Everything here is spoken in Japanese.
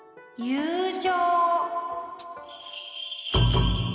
友情。